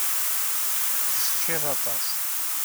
Teččiḍ aṭas.